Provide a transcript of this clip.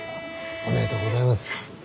おめでとうございます。